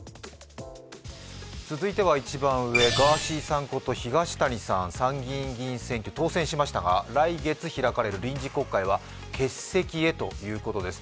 続いては一番上、ガーシーこと東谷義和さん、参議院議員選挙、当選しましたがが来月開かれる臨時国会は欠席へということです。